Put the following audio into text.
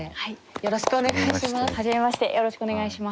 よろしくお願いします。